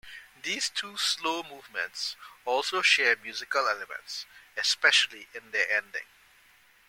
These two slow movements also share musical elements, especially in their ending.